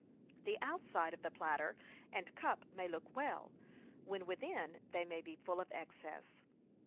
The outside of the platter and cup may look well, when within they may be full of excess.